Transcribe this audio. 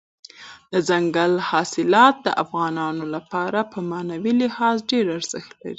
دځنګل حاصلات د افغانانو لپاره په معنوي لحاظ ډېر ارزښت لري.